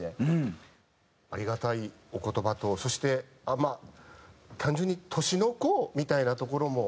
ありがたいお言葉とそしてまあ単純に年の功みたいなところも。